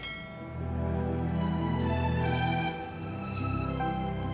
kamu harus berusaha